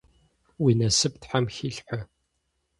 Уи насып Тхьэм хилъхьэ.